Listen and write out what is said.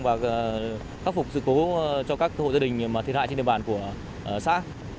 và khắc phục sự cố cho các hộ gia đình thiệt hại trên địa bàn của xã